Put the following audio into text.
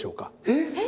えっ？